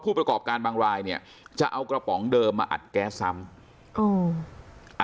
ประกอบการบางรายเนี่ยจะเอากระป๋องเดิมมาอัดแก๊สซ้ำ